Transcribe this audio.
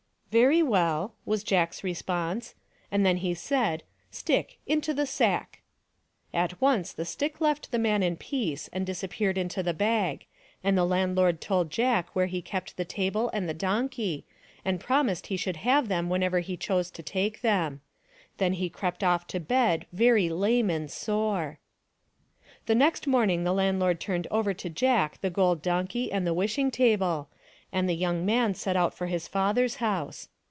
"Very well," was Jack's response; and then he said, " Stick, into the sack !" At once the stick left the man in peace and disappeared into the bag, and the landlord told Jack where he kept the table and the donkey, and promised he should have them whenever he chose to take them. Then he crept off to bed very lame and sore. The next morning the landlord turned over to Jack the gold donkey and the wishing table, and the young man set out for his father's house.